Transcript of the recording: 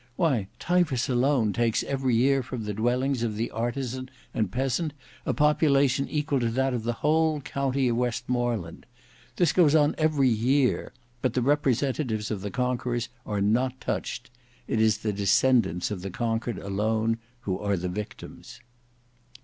Why Typhus alone takes every year from the dwellings of the artisan and peasant a population equal to that of the whole county of Westmoreland. This goes on every year, but the representatives of the conquerors are not touched: it is the descendants of the conquered alone who are the victims."